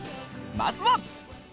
まずは！